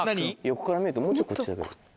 横から見るともうちょいこっち。